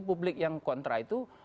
publik yang kontra itu